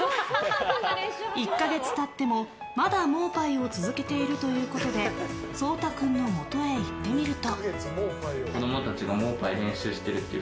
１か月経っても、まだ盲牌を続けているということで蒼太君のもとへ行ってみると。